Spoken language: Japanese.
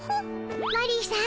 マリーさん